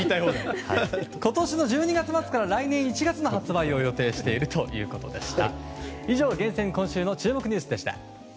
今年の１１月末から来年１月の販売を予定しているということでした。